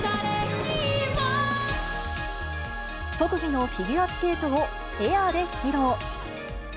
特技のフィギュアスケートをエアで披露。